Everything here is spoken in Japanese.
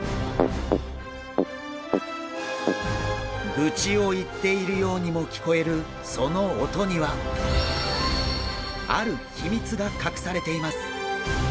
グチを言っているようにも聞こえるその音にはある秘密が隠されています！